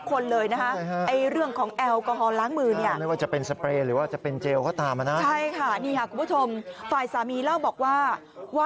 เป็นเรื่องใกล้ตัวมากตอนนี้เราก็พบกันทุกคนเลยนะฮะ